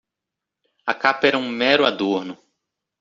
A capa era um mero adorno.